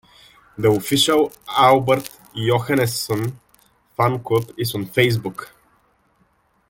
The official Albert Johanneson Fan Club is on Facebook.